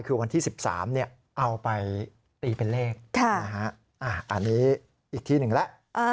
คือวันที่๑๓เอาไปตีเป็นเลขอันนี้อีกที่หนึ่งแล้ว